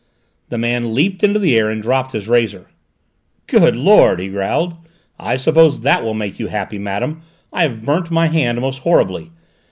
The man leaped into the air, and dropped his razor. "Good Lord!" he growled, "I suppose that will make you happy, madame: I have burnt my hand most horribly!